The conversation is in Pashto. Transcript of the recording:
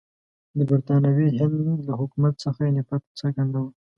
د برټانوي هند له حکومت څخه یې نفرت څرګندوه.